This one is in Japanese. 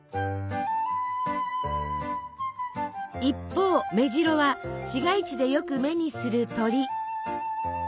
一方メジロは市街地でよく目にする鳥。